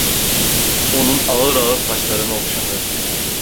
Onun ağır ağır saçlarını okşadı.